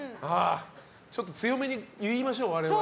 ちょっと強めに言いましょう我々も。